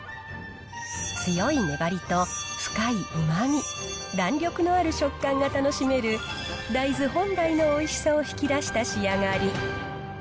強い粘りと深いうまみ、弾力のある食感が楽しめる、大豆本来のおいしさを引き出した仕上がり。